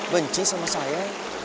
benci sama saya